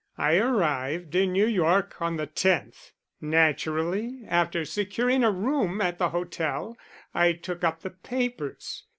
I arrived in New York on the tenth. Naturally, after securing a room at the hotel, I took up the papers.